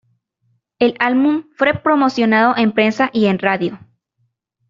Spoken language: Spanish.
El álbum fue promocionado en prensa y en radio.